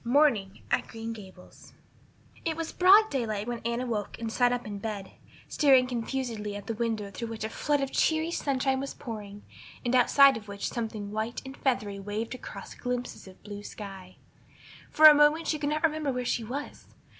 Morning at Green Gables IT was broad daylight when Anne awoke and sat up in bed, staring confusedly at the window through which a flood of cheery sunshine was pouring and outside of which something white and feathery waved across glimpses of blue sky. For a moment she could not remember where she was.